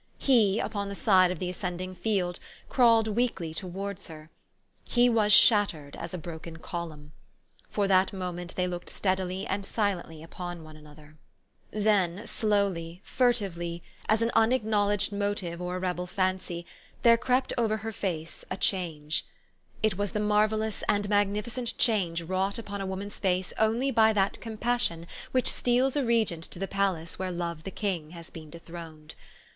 He, upon the side of the ascending field, crawled weakly towards her. He was shattered as a broken column. For that mo ment they ' looked steadily and silently upon one another. ME STORY OF AVIS. 181 Then slowly, furtively as an unacknowledged motive or a rebel fancy, there crept over her face a change. It was the marvellous and magnificent change wrought upon a woman's face only by that compassion which steals a regent to the palace where Love the King has been dethroned.